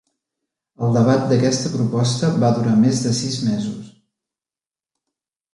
El debat d'aquesta proposta va durar més de sis mesos.